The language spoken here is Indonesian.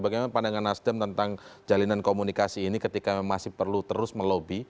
bagaimana pandangan nasdem tentang jalinan komunikasi ini ketika masih perlu terus melobi